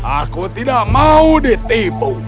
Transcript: aku tidak mau ditipu